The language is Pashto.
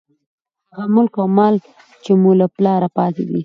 هغه ملک او مال، چې مو له پلاره پاتې دى.